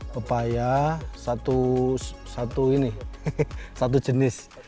pepaya satu jenis